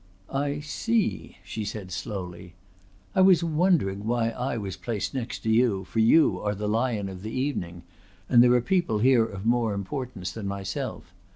"I see," she said slowly. "I was wondering why I was placed next to you, for you are the lion of the evening and there are people here of more importance than myself.